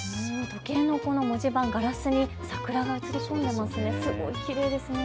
時計の文字盤、ガラスに桜が映り込んでますね。